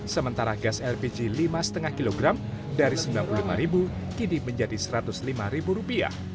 sementara gas lpg rp lima lima kg dari rp sembilan puluh lima kini menjadi rp satu ratus lima